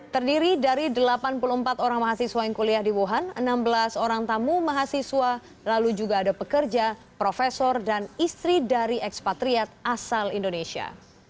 terdiri dari delapan puluh empat orang mahasiswa yang kuliah di wuhan enam belas orang tamu mahasiswa lalu juga ada pekerja profesor dan istri dari ekspatriat asal indonesia